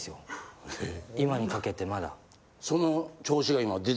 今にかけてまだ。